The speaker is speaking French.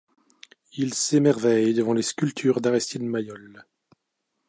Il s’émerveille devant les sculptures d’Aristide Maillol.